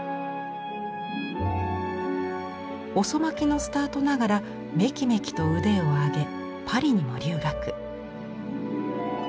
遅まきのスタートながらめきめきと腕を上げパリにも留学。